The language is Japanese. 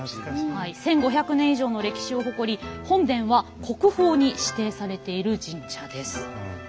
１，５００年以上の歴史を誇り本殿は国宝に指定されている神社です。